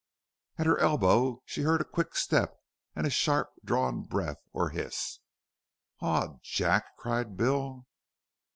At her elbow she heard a quick step and a sharp drawn breath or hiss. "AW, JACK!" cried Bill.